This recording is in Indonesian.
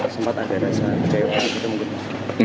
sempat ada rasa kecewa gitu mungkin